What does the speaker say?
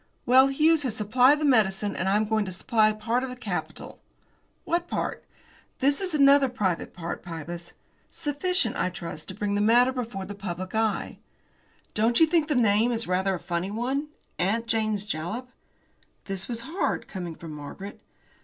Well, Hughes has supplied the medicine, and I am going to supply part of the capital." "What part?" "That is another private matter, Pybus. Sufficient, I trust, to bring the matter before the public eye." "Don't you think the name is rather a funny one? 'Aunt Jane's Jalap!'" This was hard, coming from Margaret.